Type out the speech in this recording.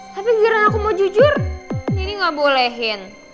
tapi gara gara aku mau jujur dedy gak bolehin